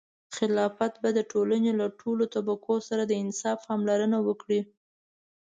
خلافت به د ټولنې له ټولو طبقو سره د انصاف پاملرنه وکړي.